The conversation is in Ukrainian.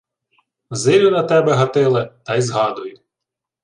— Зирю на тебе, Гатиле, та й згадую...